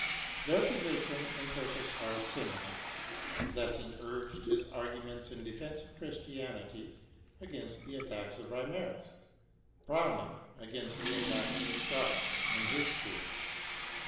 Their position and purpose are similar. Lessing urged his arguments in defence of Christianity against the attacks of Reimarus; Browning against the attacks of Strauss and his school.